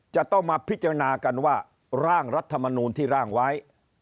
จะต้องมาพิจารณากันว่าร่างรัฐมนูลที่ร่างไว้